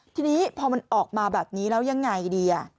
ทีนี้พอมันออกมาแบบนี้แล้วยังไงดี